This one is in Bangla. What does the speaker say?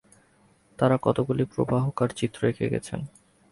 তাঁরা কতকগুলি প্রবাহকার-চিত্র এঁকে গেছেন।